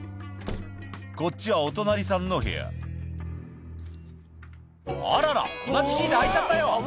「こっちはお隣さんの部屋」あらら同じキーで開いちゃったよ